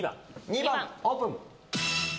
２番オープン。